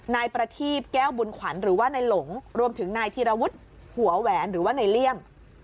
นายประทีบแก้วบุญขวัญหรือว่านายหลงรวมถึงนายธีรวุฒิหัวแหวนหรือว่าในเลี่ยม